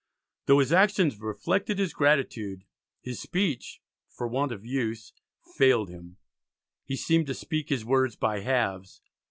Though his actions reflected his gratitude, his speech "for want of use" failed him, "he seemed to speak his words by halves."